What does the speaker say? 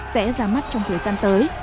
sẽ ra mắt trong thời gian tới